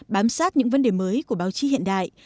bám sát những vấn đề mới của báo chí hiện đại